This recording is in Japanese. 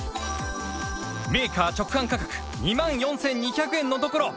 メーカー直販価格２万４２００円のところ